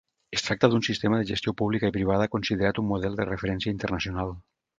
Es tracta d'un sistema de gestió pública i privada considerat un model de referència internacional.